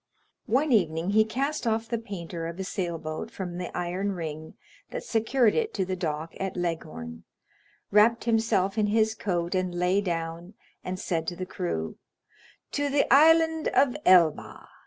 One evening he cast off the painter of a sailboat from the iron ring that secured it to the dock at Leghorn, wrapped himself in his coat and lay down, and said to the crew,—"To the Island of Elba!"